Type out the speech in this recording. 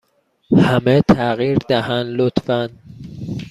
همه تغییر دهند، لطفا.